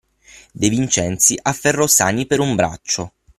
De Vincenzi afferrò Sani per un braccio.